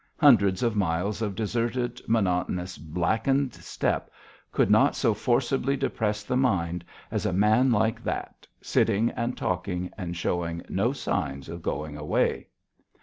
Hundreds of miles of deserted, monotonous, blackened steppe could not so forcibly depress the mind as a man like that, sitting and talking and showing no signs of going away.